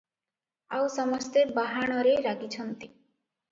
ଆଉ ସମସ୍ତେ ବାହାଣରେ ଲାଗିଛନ୍ତି ।